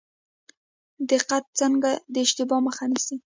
دقت څنګه د اشتباه مخه نیسي؟